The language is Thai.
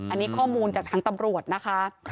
อันนี้ข้อมูลจากทางตำรวจนะคะ